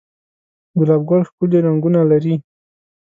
گلاب گل ښکلي رنگونه لري